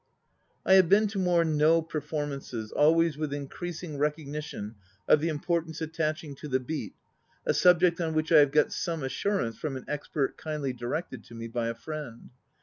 ... "I have been to more No performances, always with increasing recognition of the importance attaching to the beat, a subject on which I have got some assurance from an expert kindly directed to me by a friend.